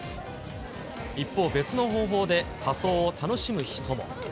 一方、別の方法で仮装を楽しむ人も。